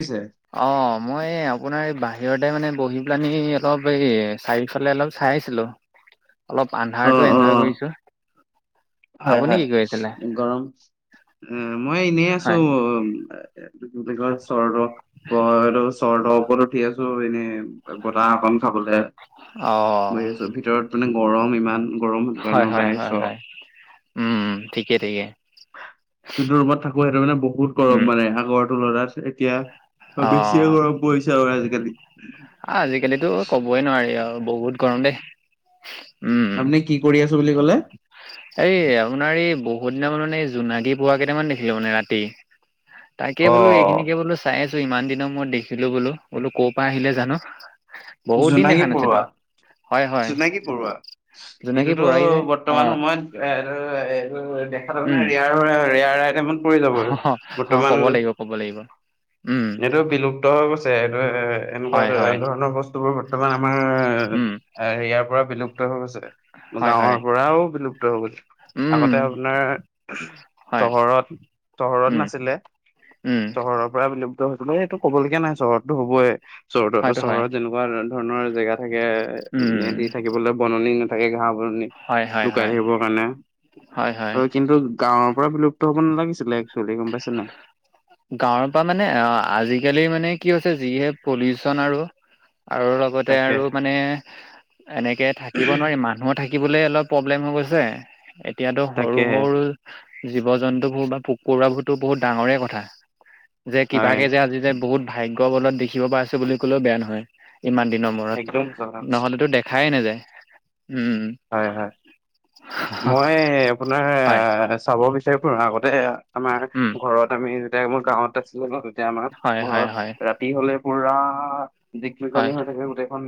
পিছে অ', মই এই আপোনাৰ এই বাহ বাহিৰতে মানে বহি পেলানি অলপ এই চাৰিওফালে অলপ চাই আছিলো। অলপ অ আন্ধাৰটো অ এন্জয় কৰিছো। 'হয়', 'হয়' গৰম, উম-মই এনেই আছো হয়। এটো কি বুলি কয় চৰ্দ এটো চৰ্দৰ ওপৰতো উঠি আছো এনেই বতাহ অকন খাবলে অ', বহি আছো, ভিতৰত মানে গৰম ইমান। গৰম হয়, দোকানলে হয়, ওলাই হয়, আহিছোঁ আৰু। হয়। উম, ঠিকে-ঠিকে। যোনটো ৰুমত থাকো সেইটো মানে বহুত গৰম উম, মানে আগৰটো তুলনাত এতিয়া ত', অ', বেছিয়ে গৰম পৰিছে আৰু আজিকালি। আজিকালিতো কবই নোৱাৰি আৰু বহুত গৰম দেই। উম', আপুনি কি কৰি আছো বুলি ক'লে এই আপোনাৰ এই বহুত সিদিনা মই মানে এই জোনাগী পৰুৱা কেইটামান দেখিলো মানে ৰাতি, তাকে অ বোলো এইখিনিকে বোলো চাই বোলো ইমান দিনৰ মত দেখিলো বোলো, বোলো ক'ৰ পৰা আহিলে জানো। বহুত দিন জোনাকী দেখা পৰুৱা? নাছিলোঁ। হয়, হয়, জোনাকী পৰুৱা, জোনাকী এইটোতো পৰুৱা এই যে বৰ্তমান অ', সময়ত এ-এইটো-এইটো দেখা উম। তাৰমানে ৰেয়াৰ হৈ ৰেয়াৰ আৰু ৰেয়াৰ আইটেমত পৰি যাব অ অ', বৰ্তমান ক'ব লাগিব ক'ব লাগিব উম এইটো বিলুপ্ত হৈ গৈছে। এইটো এ-এনেকুৱা হয় হয় ধৰণৰ বস্তু বোৰ বৰ্তমান আমাৰ উম ইয়াৰ পৰা বিলুপ্ত হৈ গৈছে হয় গাঁৱৰ হয় পৰাও বিলুপ্ত হৈ গৈছে। উম আগতে আপোনাৰ হয় চহৰত-চহৰত উম নাছিলে। উম চহৰৰ পৰাই বিলোপ এইটো ক'বলগীয়া নাই চহৰতটো হবইে হয়তো হয় চহৰতৰ-চহৰত যেনেকুৱা ধৰণৰ জেগাত থাকে উম সিহঁতি থাকিবলৈ বননি নাথাকে ঘাহ বননি, হয় হয় লুকাই হয় থাকিবৰ কাৰণে হয় কিন্তু গাঁৱৰ পৰা বিলুপ্ত হব নালাগিছিলে। একচুৱেলি গম পাইছে নাই। গাঁৱৰ পৰা মানে অ-আজিকালি মানে কি হৈছে যিহে পলিউচ তন আৰু-আৰু লগতে তাকে। আৰু মানে এনেকে থাকিব নোৱাৰি মানুহো থাকিব কিবলে অলপ প্ৰব্লেম হৈ গৈছে, এতিয়াতো তাকেহে সৰু-সৰু, জীৱ জন্তুবোৰ বা পুক কৌৰাবোৰতো বহুত ডাঙৰে কথা, যে হয়। কিবাকে যে আজি যে বহুত ভাগ্য কবলত দেখিব পাইছো বুলি ক'লেও বেয়া নহয় ইমান দিনৰ মূৰত একদম সঁচা কথা কৈছা। নহলেতো দেখা খায়ে নাযায়। উম, হয় হয়, হ- মই এই আপোনাৰ হয়, চাব বিচাৰ [unintelligible] আগতে আমাৰ উম, ঘৰত আমি যেতিয়া মোৰ গাঁৱত আছিলো ন। এতিয়া আমাৰ হয়, হয়, ঘৰত হয়, ৰাতি হলে পুৰা হয়, জিকমিকনি হৈ থাকে গোটেইখন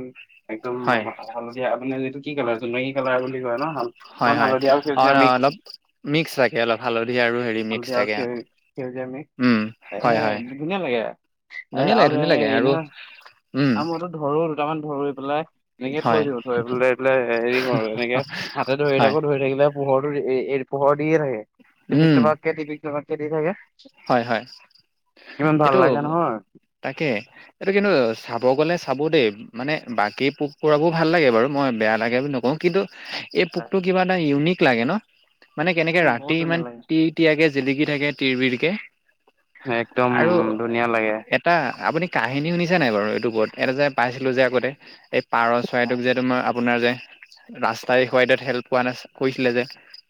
একদম হয়, [unintelligible] লগীয়া আপুনি আজি এইটো কি কালাৰটো নেগী কালাৰ বুলি কয় ন? হাল অকমান 'হয়'-'হয়' হালধীয়া আৰু সেউজীয়া মিক্স অ-অলপ মিক্স থাকে, অলপ হালধি আৰু হেৰি মিক্স থাকে [unintelligible] আমি, উম, এ হয়, হয়, ধুনীয়া লাগে, এ ধুনীয়া লাগে, আৰু ধুনীয়া তেনেকে লাগে হেৰি আৰু নহয় উম, আৰু মইতো ধৰো দুটামান ধৰি পেলাই এনেকে থৈ হয়, দিওঁ, থৈ পেলাই-পেলাই হেৰি কৰো, এনেকে হাতে ধৰি হয়, থাকো ধৰি থাকিলে পোহৰটো [unintelligible] পোহৰ লিকি থাকে টিপিক টাপাক টিপিক টাপাকে দি থাকে 'হয়'-'হয়' ইমান এইটো, ভাল লাগে নহয় তাকে, এইটো কিন্তু চাব গ'লে চাব দেই মানে বাকী পোক পৰাবোৰ ভাল লাগে বাৰু মই বেয়া লাগে বুলি নকওঁ কিন্তু এই পোকটো কিবা এটা ইউনিক লাগে ন মানে কেনেকে উম, ৰাতি বহুত ধুনীয়া ইমান লাগে। তি তিয়াগে জিলিকি থাকে তিৰ বিৰকে একদম আৰু ধুনীয়া লাগে এটা আপুনি কাহিনী শুনিছা নাই বাৰু ইউটউবত এটা যে পাইছিলো যে আগতে এই পাৰ চৰাইটোক যে তোমাৰ আপোনাৰ যে ৰাস্তাই খুৱাইডত হেল্প পোৱা না কৈছিলে যে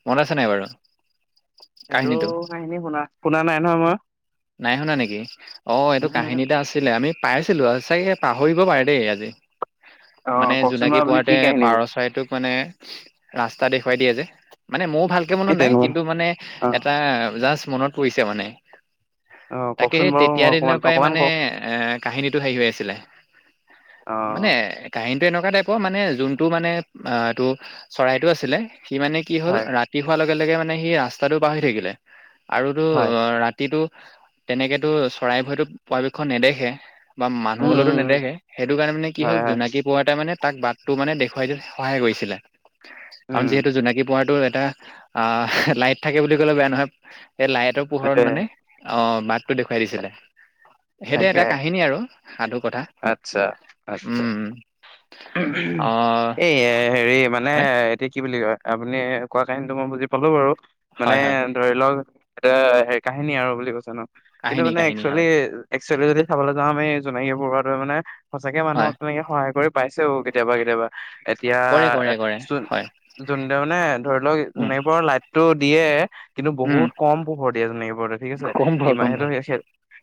মনত আছে নাই বাৰু? সেইটো কাহিনীটো কাহখিনী শুনা শুনা নাই নহয় মই। নাই শুনা নেকি? অ' এইটো কাহিনীটা আছিলে আমি পাই আছিলো আৰু চাগে পাহৰিব পাৰে দেই আজি। অ মানে কওকচোন জোনাকী বাৰু আপুনি কি পৰুৱাটোৱে কাহিনী পাৰ এই চৰাইটোক মানে, ৰাস্তা দেখুৱাই দিয়ে যে মানে মোৰো ভালকে মনত নাই, তেনেকুৱা কিন্তু মানে অ এটা জাষ্ট মনত পৰিছে মানে। অ তাকে কওকচোন সেই বাৰু মই তেতিয়াৰ দিনৰ অকমান পৰাই অকমান মানে কওক এ, কাহিনীটো হেৰি হৈ আছিলে অ মানে কাহিনী তেনেকুৱা টাইপৰ মানে যোনটো মানে অ, এইটো চৰাইটো আছিলে সি মানে কি হল, হয় ৰাতি হোৱাৰ লগে-লগে মানে সি ৰাস্তাটো পাহৰি থাকিলে আৰু তোৰ হয় অ, ৰাতিটো তেনেকেতো চৰাই বোৰেটো পৰাপক্ষত নেদেখে। বা উম মানুহলেওতো উম উম নেদেখে, সেইটো কাৰণে মানে কি হয় হ'ল হয় জোনাকী পৰুৱাটোৱে মানে তাক বাটটো মানে দেখুৱাই দিয়াত সহায় কৰিছিলে, কাৰণ উম যিহেতু জোনাকী পৰুৱাটো এ টা অ, লাইট থাকে বুলি ক'লেও বেয়া নহয়, এই লাইটৰ পোহৰত তাকে মানে অ, বাটটো দেখুৱাই দিছিল, সেইটো এটা কাহিনী আৰু সাধু কথা আচ্ছা-আচ্ছা। উম অ এই হেৰি মানে, হয় এটো কি বুলি কয় আপুনি কোৱা কাহিনীটো মই বুজি পালোঁ বাৰু, মানে হয় হয় ধৰি লওক এতিয়া হেৰি কাহিনী আৰু বুলি কৈছে ন', কিন্তু কাহিনী মানে কাহিনী হয় একচুৱেলি-একচুৱেলি যদি চাবলৈ যাওঁ আমি জোনাকী পৰুৱাটোৱে মানে সচাকে হয় মানুহক তেনেকে সহায় কৰি পাইছেও কেতিয়াবা-কেতিয়াবা। এতিয়া কৰে কৰে কৰে যোন হয় জোনটো মানে ধৰি লওক উম জোনাকী পৰুৱাৰ লাইটটো দিয়ে কিন্তু উম বহুত কম পোহৰ দিয়ে জোনাকী পৰুৱাটোৱে ঠিক আছে, কম ভৰ কম ভৰ [unintelligible]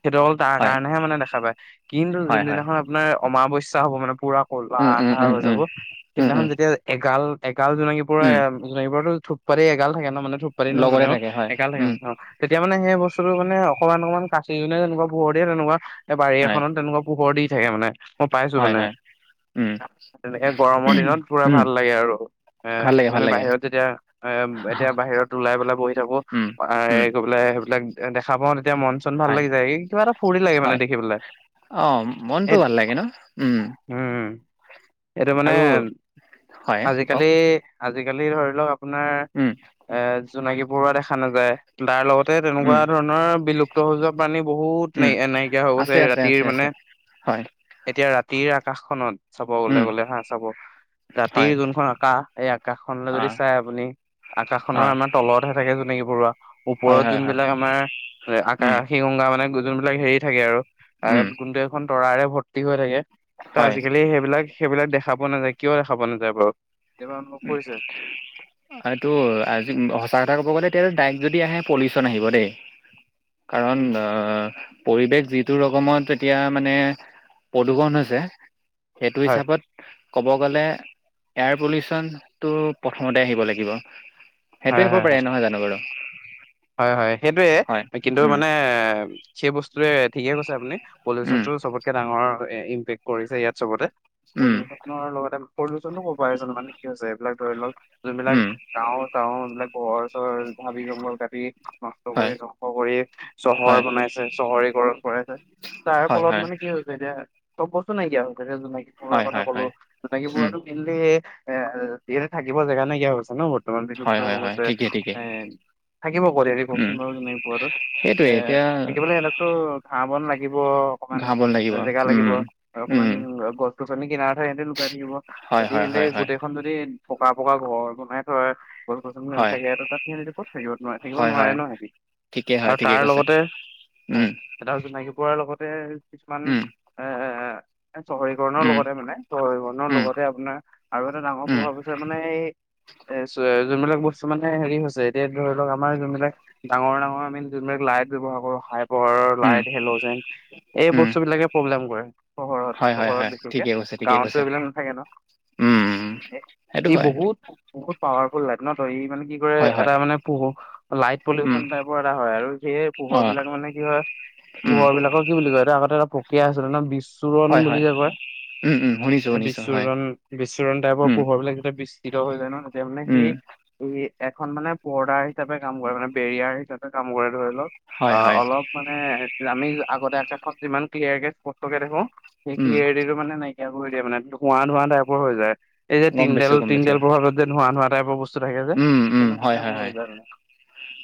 সেইটো অকল তাৰ হয় কাৰণেহে মানে দেখ খা পাই, কিন্তু হয় হয় যোনদিনাখন আপোনাৰ অমাৱস্যা হ'ব মানে পুৰা কলা উম উম আন্ধাৰ উম হৈ উম যাব, উম সিদিনাখন উম যেতিয়া এগাল গাল জোনাকী পৰুৱা উম এ জোনাকী পৰুৱাটো থোপ পাতি এগাল থাকে ন' মানে থুপ পাতি নহয় মানে লগতে আৰু, থাকে হয় এগাল থাকে অ, উম অ, তেতিয়া মানে সেই বস্তুটো মানে অকনমান-অকনমান কাচি জুনে যেনেকুৱা পোহৰ দিয়ে, তেনেুৱাকুৱা এ বাৰী হয় এখনত তেনেকুৱা পোহৰ দি থাকে মানে, মই পাইছোঁ হয় মানে হয় উম তেনেকে গৰমৰ দিনত পুৰা উম ভাল লাগে আৰু, এ ভাল লাগে ভাল আমি লাগে বাহিৰত যেতিয়া এ এতিয়া অহ, বাহিৰত ওলাই পেলাই বহি থাকো, উম উম কৈ পেলাই সেইবিলাক দেখা পাওঁ তেতিয়া মন চন ভাল হয় লাগি যায়, এই কিবা এটা ফূৰ্তি লাগে মানে হয় দেখিবলৈ। অ' মনটো ভাল লাগে ন? উম, উম এইটো মানে, আৰু হয় কওক আজিকালি-আজিকালি ধৰি লওক আপোনাৰ উম এ জোনাকী পৰুৱা দেখা নাযায়, তাৰ লগতে উম তেনেকুৱা ধৰণৰ বিলুপ্ত প্ত হৈ জুৱা প্ৰাণী বহুত উম নাই-নাইকিয়া হৈ আছে গৈছে, আছে আছে ৰাতিৰ আছে মানে হয়। এতিয়া ৰাতিৰ আকাশখননত চাবলে উম গলে হা চাব হয় ৰাতিৰ যোনখন আকাশ, এই আকাশখনলৈ অ যদি চাই আপুনি অ আকাশখনৰ আমাৰ তলতহে থাকে জোনাকী পৰুৱা, হয় ওপৰত হয় হয় যোনবিলাক আমাৰ উম আকাশী গংগা মানে যোনবিলাক হেৰি থাকে আৰু উম, খন তৰা ভৰ্তি হৈ থাকে, ত' হয় আজিকালি সেইবিলাক সেইবিলাক দেখা পোৱা নাযায়, কিয় দেখা পোৱা নাযায় বাৰু? এইবাৰ অনুভৱ কৰিছে এইটো আজি উম, সঁচা কথা ক'ব গ'লে এতিয়াটো ডাইৰেক্ট যদি আহে পলিউচন আহিব দেই, কাৰণ উম পৰিৱেশ যিটো ৰকমত এতিয়া মানে প্ৰদূৰষণ হৈছে সেইটো হয় হিচাপত ক'ব গ'লে, এয়াৰ পলিউচন [unintelligible] তোৰ প্ৰথমতে আহিব লাগিব, সেইটোয়ে হব পাৰে নহয় জানো বাৰু? 'হয়'-'হয়' সেইটয়ে হয় কিন্তু উম মানে, সেই বস্তুৱে ঠিকে কৈছে আপুনি, উম পলিউশ্যনটো চবতকে ডাঙৰ ইম্পেক্ট কৰিছে ইয়াত চবতে উম পলিউশ্যনৰ লগতে পলিউশ্যন নু কৰ পৰা আহিছে নো, মানে কি হৈছে এইবিলাক ধৰি লওক যোনবিলাক উম গাও চাও এইবিলাক ঘৰ চৰ হাবি জংঘল কাত নষ্ট হয় কৰি ধ্বংস কৰি চহৰ হয় বনাইছে, চহৰীকৰণ কৰাইছে তাৰ হয় ফলত মানে কি হৈছে এতিয়া চব বস্তু নাইকিয়া হৈছে, এতিয়া জোনাকী পৰুৱাৰ হয় হয় কথা হয় কলো, হয় জোনাকী উম পৰুৱাৰটো মেইনলি এ ইয়াতে থাকিব জেগা নাইকিয়া হৈছে ন বৰ্তমান বিলুপ্ত হয় হৈ হয় হয় গৈছে, ঠিকেই ঠিকেই এ থাকিব কত এতিয়া কওক উম ছোঁন বাৰু জোনাকী পৰুৱাটো, সেইটোৱে এ এতিয়া থাকিবলৈ সিহঁতকটু ঘাঁ বন লা গিব অকমান ঘাঁহ বন লাগিব জেগা লাগিব, উম অকমান উম গছ-গছনিৰ কিনাৰ সিহঁতে লুকাই থাকিব, হয় যদি হয় সিহতে হয় হয় গোটেইখন যদি পকা পকা ঘৰ বনাই থয় [unintelligible] হয় নাথাকে আৰু তাত সিঁহতিটু ক'ত থাকিব নোৱাৰে, থাকিব হয় নোৱাৰে হয় ন' সিহঁতি। ঠিকেই হয় আৰু ঠিকেই তাৰ কৈছে লগতে, হয়, উম, এটা হৈছে জোনাকী পৰুৱাৰ লগত [unintelligible] কিছুমান উম, এ চহৰীকৰণৰ উম, লগতে মানে, চহৰীকৰণৰ উম, লগতে আপোনাৰ আৰু এটা ডাঙৰ উম, প্ৰভাৱ হৈছে আপোনাৰ এই এ, যোনবিলাক বস্তু মানে হেৰি হৈছে এতিয়া ধৰি লওক, আমাৰ যোনবিলাক ডাঙৰ ডাঙৰ আমি যোনবিলাক লাইট ব্যৱহাৰ কৰোঁ, হাই পোহৰৰ উম, লাইট, হেল'জেন, এই উম, বস্তু বিলাকে প্ৰব্লেম কৰে পোহৰত। হয়, হয়, হয়, চহৰত বিশেষকে, ঠিকে কৈছে, ঠিকে কৈছে, গাঁৱতটো এইবিলাক নাথাকে ন'। উম, উম, সেইটো ই হয়, বহুত, বহুত পাৱাৰফুল লাইট ন', ত' ই মানে কি কৰে হয়, এ হয়, টা মানে পোহৰ লাইট উম, পলিউশন টাইপৰ এটা হয়, আৰু সেই পোহৰ অ', বিলাক মানে কি হয় উম, পোহৰ বিলাকক কি বুলি কয়, এ আগতে এটা প্ৰক্ৰিয়া আছিলে ন', বি চ্ছুৰণ হয়, বুলি হয়, যে কয়, উম, উম, শুনিছোঁ, এই শুনিছোঁ, হয়, বিচ্ছুৰণ, বিচ্ছুৰণ টাইপৰ উম, পোহৰ বিলাক যেতিয়া বিস্ফ ৰিত হৈ যায় ন', তেতিয়া মানে উম, কি, সি এখন মানে পৰ্দা হিচাপে কাম কৰে মানে, বেৰিয়াৰ হিচাপে কাম কৰে, ধৰি লওক অ, হয়, হয়, অলপ মানে আমি আগতে আকাশখন যিমান ক্লিয়াৰ কে স্পষ্টকে দেখো সেই উম, ক্লিয়াৰৰিতিটো মানে নাইকিয়া কৰি দিয়ে মানে, ধোঁৱা ধোঁৱা টাইপৰ হৈ যায়। এই যে গম তিনদাল, পাইছোঁ, গম তিনদাল পাইছোঁ, প্ৰভাৱত যে ধোঁৱা ধোঁৱা টাইপৰ বস্তু থাকে যে, উম, উম, তেনেকুৱা হয়, হয়, হয়, [unintelligible]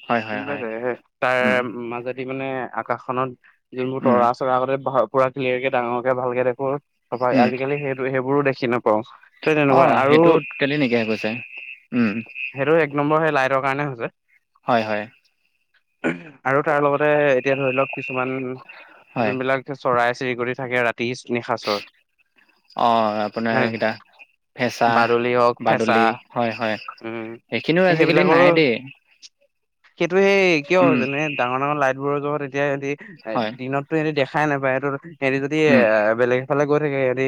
হয়, হয়, বুজি হয়, পাইছে, সেই তাৰে উম, মাজত মানে আকাশখনত, যোনবোৰ উম, তৰা চৰা আগতে ভা পুৰা ক্লিয়াৰ কে ডাঙৰকে ভালকে দেখো [unintelligible] উম, আজিকালি সেইটো, সেইবোৰো দেখি না সেই তেনেকুৱা অ', আৰু, সেইটো টোটেলি নাইকিয়া হৈ গৈছে, উম, সেইটো এক নম্বৰ হে লাইটৰ কাৰণে হৈছে। হয়, হয়, আৰু তাৰ লগতে এতিয়া ধৰি লওক, কিছুমান হয়, যোনবিলাক চৰাই চিৰিকতি থাকে, ৰাতি নিশাচৰ অ, আপোনাৰ হে এইকেইটা ফেঁচা, বাদুলি হওক ফেঁচা বাদুলি হয়-হয়, উম সেইখিনিও আজিকালি সেইবিলাকৰো, নাই দেই, সেইটোৱে কিয় উম, যেনে ডাঙৰ-ডাঙৰ লাইট বোৰৰ লগত জহত এট এতিয়াদি এ হয়, দিনতটো এহেতি দেখাই নাপায় সেইটোতো, সেহেঁতি যদি এ উম, বেলেগ এফালে গৈ থাকে দি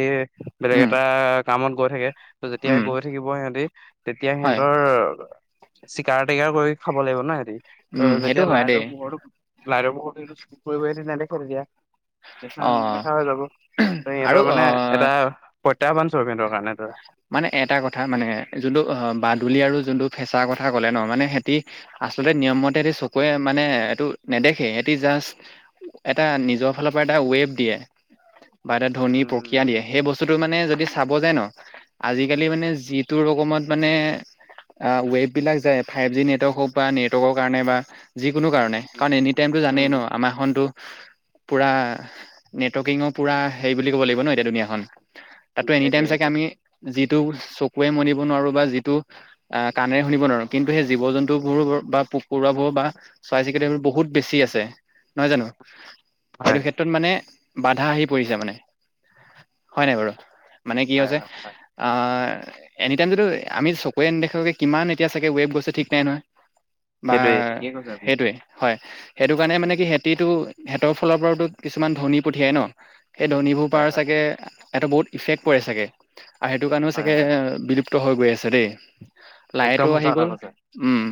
বেলেগ উম, এটা কামত গৈ থাকে। আৰু যেতিয়া উম, গৈ থাকিব সিহঁতি, তেতিয়া হয়। সিহঁতৰ চিকাৰ টিকাৰ কৰি খাব লাগিব ন সিহঁতি। উম, অ' সেইটো যেতিয়া হয় দেই। লাইটৰ পোহৰতো, লাইটৰ পোহৰ [unintelligible] চকুত পৰিব সিহঁতি নেদেখে তেতিয়া। দেখা অ, নেদেখা হৈ যাব। ত আৰু সিহঁতৰ অ, মানে এটা প্ৰত্যাহ্বান চৰুপ সিহঁতৰ। কাৰণে এইটো মানে এটা কথা মানে যোনটো অ', বাদ দূলি আৰু যোনটো ফেঁচাৰ কথা ক'লে ন, মানে সেহঁতি আচলতে নিয়মতে চকুৱে মানে এইটো নেদ দেখে, সিহঁতি জাষ্ট, এটা নিজৰ ফালৰ পৰা এটা ৱেব দিয়ে। বা এটা ধ্বনি উম প্ৰক্ৰিয়া দিয়ে, সেই বস্তুতোটো মানে যদি চাব যায় ন' আজিকালি মানে যিটো ৰকমত মানে অ, ৱেব বিলাক যায় ফাইভ জি নেটৱৰ্ক হওক বা, নেটৱৰ্কৰ কাৰণে বা যি কোনো কাৰণ নাই, উম কাৰণ এনি টাইমটো জানেই উম ন' আমাৰ খনতো পুৰা নেটৱৰ্কিঙৰ পুৰা, হেৰি বুলি ক'ব লাগিব ন' এতিয়া দুুনীয়াখন তাতটো এনি সেইটোৱে টাইম চাগে সেইটোৱে আমি যিটো চকুৰে মনিব নোৱাৰো বা, যিটো কাণেৰে শুনিব নোৱাৰো, কিন্তু সেই জীৱ জন্তু বোৰো বা পৰুৱা বোৰ, বা চৰাই চিৰিকতি এইবোৰ বহুত বেছি আছে, নহয় জানো? হয় এইটো ক্ষেত্ৰত মানে বাধা আহি পৰিছে মানে, হয় নাই বাৰু? মানে কি হয় হৈছে হয় অ', এনিটাইমটোতো আমি চকুৰে নেদেখাকে কিমান এতিয়া চাগে ৱেব গৈছে ঠিক নাই নহয়। বা, সেইটোৱে ঠিকেই কৈছে আপুনি সেইটোৱে হয়। সেইটো কাৰণে মানে কি সেহঁতিটো সেহেঁতৰ ফালৰ পৰাওতো কিছুমান দ্ধনী পঠিয়াই ন। সেই দ্ধনীবোৰ হয় পাৰা হয় চাগে এটা বহুত ইফেক্ট পৰে চাগে, আৰু সেইটো কাৰণেও হয় চাগে হয় বিলুপ ত হৈ গৈ আছে দেই। একদম লাইটো আহি গ'ল, উম।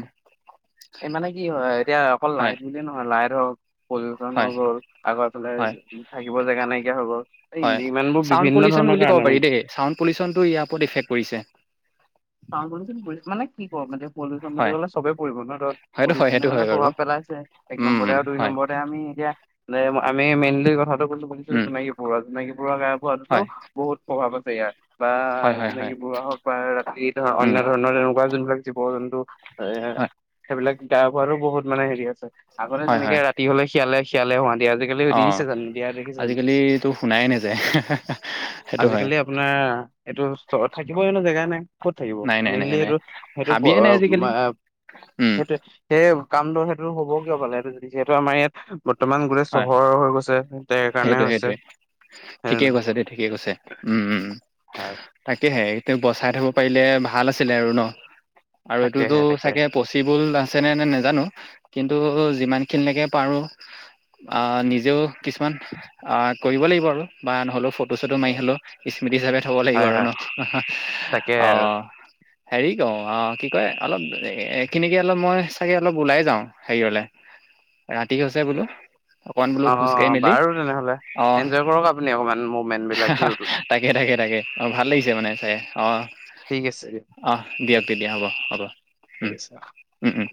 এ মানে কি হয় এতিয়া অকল হয় লাইট বুলিয়ে নহয়, লাইট হওক পলুচন হয় হৈ গ'ল, আগৰ এইফালে হয় থাকিব জেগা নাইকিয়া হৈ গ'ল। এই হয়, ইমানবোৰ চাউণ্ড বিভিন্ন পলিউশ্যন ধৰণৰ বুলি ক'ব কাৰণে মানে পাৰি দেই, চাউণ্ড পলিউশ্যনটো ইয়াৰ ওপৰত ইফেক্ট কৰিছে। চাওঁ বুলি [unintelligible] মানে কি ক মানে পলিউশ্যন বুলি হয় ক'লে চবে পৰিব ন, ত হয়টো হয় পলিউশ্যনে সেইটো মানে হয় বাৰু প্ৰভাৱ পেলাইছে। এক উম নম্বৰতে উম আৰু দুই হয় নম্বৰতে আমি এতিয়া নাই আমি মেইনলি কথাটো [unintelligible] উম জোনাকী পৰুৱা, জোনাকী পৰুৱা গায়ব হোৱাটোতো হয় বহুত প্ৰভাৱ আছে [unintelligible] বা হয় হয় হয় জোনাকী পৰুৱা হওঁক বা ৰাতি ধৰা উম অন্যধৰণৰ তেন কোৱা যোনবিলাক জীৱ জন্তু, এ হয় সেইবিলাক গায়ব হোৱাৰো বহুত মানে হেৰি আছে। আগতে হয় যেনেকে হয় ৰাতি হলে শিয়ালে-শিয়ালে হোৱা আজিকালি অ দিছে জানো দিয়া দেখিছে জানো? আজিকালিতো শুনাই নাযায় সেইটো হয় আজিকালি আপোনাৰ অ', এইটো চ থাকিবই ন জেগাত। ক'ত থাকিব, নাই নাই নাই মেইনলি নাই এইটো সেইটো হাবিয়ে নাই [unintelligible] আজিকালি উম সেইটোৱে, সেই কামটো সেইটো হ'ব কিয় পালে সেইটো যিহেটো আমাৰ ইয়াত বৰ্তমান গোটেই হয় চহৰ হৈ গৈছে [unintelligible] কাৰণে হৈছে। হয় ঠিকে কৈছে নহয় দেই ঠিকে কৈছে। উম, উম, উম হয় তাকেহে তেওঁ বচাই থব পাৰিলে ভাল আছিলে আৰু ন। আৰু এইটোতো তাকেহে তাকেহে চাগে পচিবল আছে নে নে নেজানো। কিন্তু যিমানখিনিলেকে পাৰোঁ আ, নিজেও কিছুমান আ, কৰিব লাগিব আৰু বা নহলেওঁ ফ বস্তুটো মাৰি হলেও স্মৃতি হিচাপে থব লাগিব হয় আৰু হয় ন তাকেহে [inaudible] অ। আৰু হেৰি কওঁ অ', কি কয় অলপ এখিনিকে অলপ মই চাগে অলপ ওলাই যাওঁ হেৰিয়লে। ৰাতি হৈছে বোলো, অকণ বোলো অ খোজ কাঢ়ি মেলি। বাৰু তেনেহ'লে অ' এনজয় কৰক আপুনি অকমান মুভমেন্ট বিলাক ভিউটো [inaudible] তাকে-তাকে। তাকে অ', ভাল লাগিছে মানে চায় অ'। ঠিক আছে দিয়া। অ দিয়ক তেতিয়া হ'ব, হ'ব। ঠিক উম আছে অ। উম উম